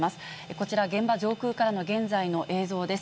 こちら、現場上空からの現在の映像です。